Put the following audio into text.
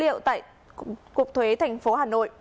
liệu tại cục thuế thành phố hà nội